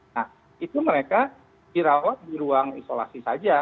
nah itu mereka dirawat di ruang isolasi saja